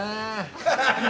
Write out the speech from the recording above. ハハハハハ。